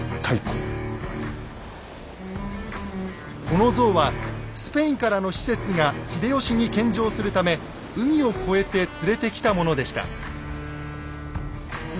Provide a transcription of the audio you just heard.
このゾウはスペインからの使節が秀吉に献上するため海を越えて連れてきたものでした。